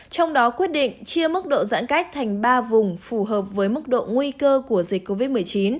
trong đó quyết định chia mức độ giãn cách thành ba vùng phù hợp với mức độ nguy cơ của dịch covid một mươi chín